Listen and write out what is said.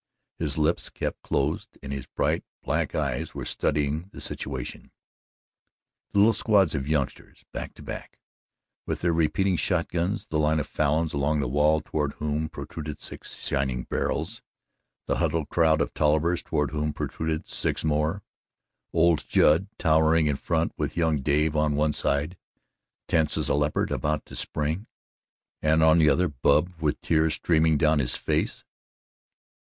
His lips kept closed and his bright black eyes were studying the situation; the little squad of youngsters, back to back, with their repeating shot guns, the line of Falins along the wall toward whom protruded six shining barrels, the huddled crowd of Tollivers toward whom protruded six more old Judd towering in front with young Dave on one side, tense as a leopard about to spring, and on the other Bub, with tears streaming down his face.